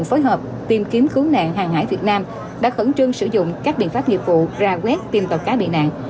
phối hợp tìm kiếm cứu nạn hàng hải việt nam đã khẩn trương sử dụng các biện pháp nghiệp vụ ra quét tìm tàu cá bị nạn